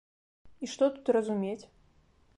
І што тут разумець?